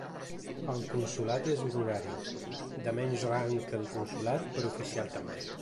El consolat és honorari, de menys rang que el consolat, però oficial també.